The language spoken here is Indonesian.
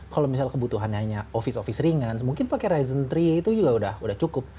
kalau misal kebutuhannya office office ringan mungkin pakai ryzen tiga itu juga sudah cukup